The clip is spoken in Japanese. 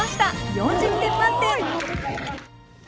４０満点！